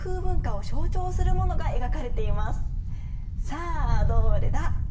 さあどれだ？